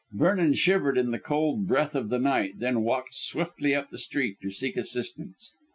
Vernon shivered in the cold breath of the night, then walked swiftly up the street to seek assistance.